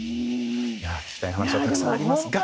聞きたい話がたくさんありますが。